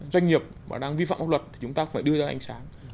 doanh nghiệp mà đang vi phạm pháp luật thì chúng ta cũng phải đưa ra ánh sáng